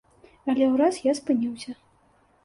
Але ўраз я спыніўся.